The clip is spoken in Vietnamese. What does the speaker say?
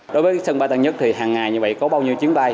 đối với sân bay tân nhất thì hàng ngày như vậy có bao nhiêu chiến bay